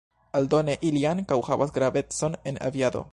Aldone ili ankaŭ havas gravecon en aviado.